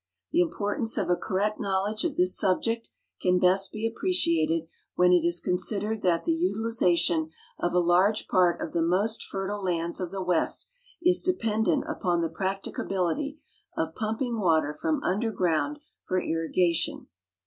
J'he importance of a correct knowledge of this subject can best be appreciated when it is considered that the utilization of a large j)art of the most fertile lands of the west is dependent upon the l)racticability of })umping water from under ground for irrigation.